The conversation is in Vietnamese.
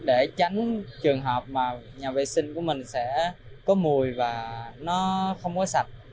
để tránh trường hợp mà nhà vệ sinh của mình sẽ có mùi và nó không có sạch